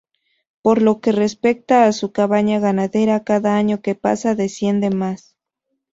Por lo que respecta a su cabaña ganadera cada año que pasa desciende más.